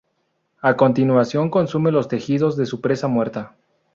A continuación consume los tejidos de su presa muerta.